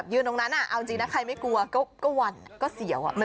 ไปด้วยกัน